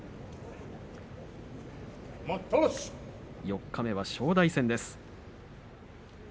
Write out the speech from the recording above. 四日目は正代戦です。